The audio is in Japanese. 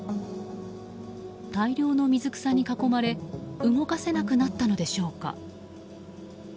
大量の水草に囲まれ動かせなくなったのでしょうか。